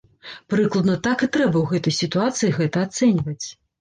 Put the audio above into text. Прыкладна так і трэба ў гэтай сітуацыі гэта ацэньваць.